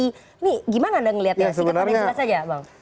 ini gimana anda melihatnya sih